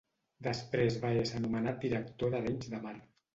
Després va ésser nomenat director d'Arenys de Mar.